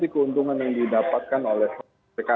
keuntungan yang didapatkan oleh